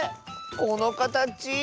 このかたち。